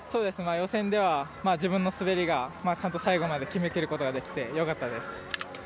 予選では自分の滑りがちゃんと最後まで決めきることができてよかったです。